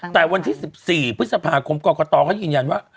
แต่วันที่๑๔พฤษภาคมกรกตเขายืนยันว่า